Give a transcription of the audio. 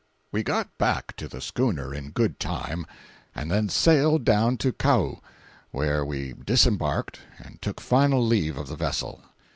We got back to the schooner in good time, and then sailed down to Kau, where we disembarked and took final leave of the vessel.